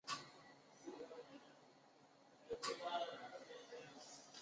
不确定的目标在何方